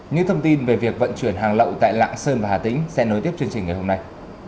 những thông tin về việc vận chuyển hàng lậu tại lạng sơn và hà tĩnh sẽ nối tiếp chương trình ngày hôm nay